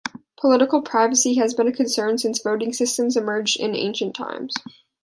Political privacy has been a concern since voting systems emerged in ancient times.